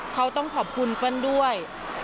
เขาต้องขอบคุณพลันด้วย